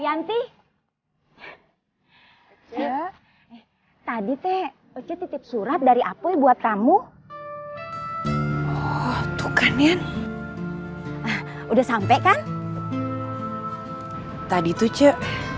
yanti ya tadi teh itu titip surat dari apple buat kamu tuh kan ya udah sampai kan tadi tuh cek